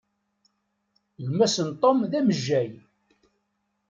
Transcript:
Gma-s n Tom, d amejjay.